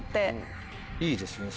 いいですね